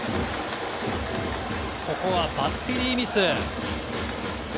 ここはバッテリーミス。